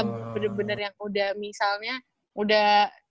bener bener yang udah misalnya udah